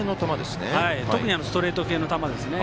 特にストレート系の球ですね。